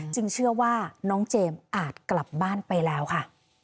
เชื่อว่าน้องเจมส์อาจกลับบ้านไปแล้วค่ะ